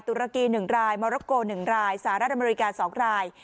ตุรกี๑รายมอรโก๑รายสหรัฐอเมริกา๒ราย